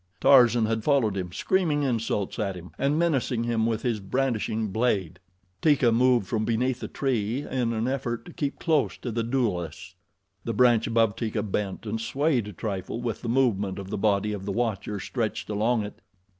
Tarzan had followed him, screaming insults at him, and menacing him with his brandishing blade. Teeka moved from beneath the tree in an effort to keep close to the duelists. The branch above Teeka bent and swayed a trifle with the movement of the body of the watcher stretched along it.